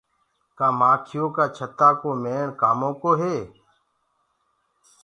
ڪآ مآکيو ڪآ ڇتآ ڪو ميڻ ڪآمو ڪو هوندو هي۔